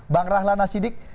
bang rahlan nasidik